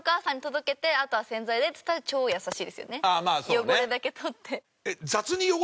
汚れだけ取って。